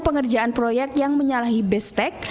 pengerjaan proyek yang menyalahi bestek